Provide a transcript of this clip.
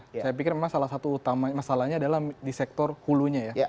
saya pikir memang salah satu masalahnya adalah di sektor hulunya ya